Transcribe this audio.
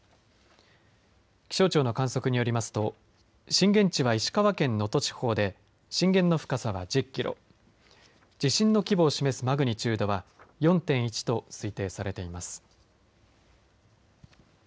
気象庁の観測によりますと震源地は石川県能登地方で震源の深さは１０キロ地震の規模を示すマグニチュードは４．１と推定されています。